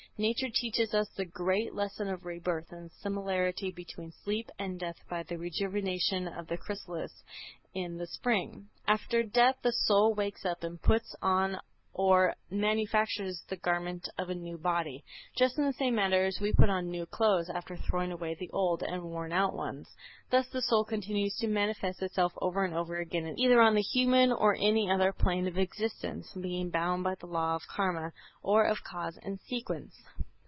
Nature teaches us the great lesson of rebirth and the similarity between sleep and death by the rejuvenation of the chrysalis in the spring. After death the soul wakes up and puts on or manufactures the garment of a new body, just in the same manner as we put on new clothes after throwing away the old and worn out ones. Thus the soul continues to manifest itself over and over again either on the human or any other plane of existence, being bound by the Law of Karma or of Cause and Sequence.